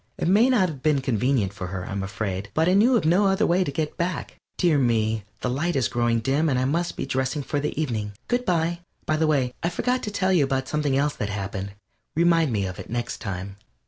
It may not have been convenient for her, I am afraid, but I knew of no other way to get back. Dear me, the light is growing dim, and I must be dressing for the evening. Good by! By the way, I forgot to tell you something else that happened remind me of it next time!